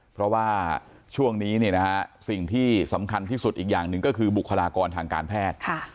เพราะว่าช่วงนี้สิ่งที่สำคัญที่สุดอีกอย่างหนึ่งก็คือบุคลากรทางการแพทย์